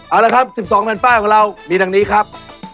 เอาละครับ๑๒แผ่นป้ายของเรามีดังนี้ครับ